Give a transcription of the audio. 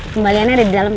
kembaliannya ada di dalam ya